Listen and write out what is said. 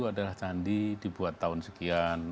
adalah candi dibuat tahun sekian